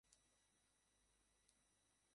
সকলে অবাক হইয়া যাইবে।